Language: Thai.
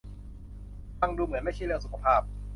ฟังดูเหมือนไม่ใช่เรื่องสุขภาพ